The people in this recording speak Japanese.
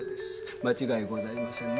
間違いございませんね？